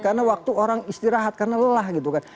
karena waktu orang istirahat karena lelah gitu kan